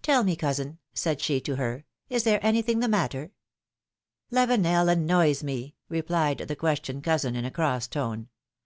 Tell me, cousin," said she to her, is there anything the matter ?" Lavenel annoys me," replied the questioned cousin in a cross tone.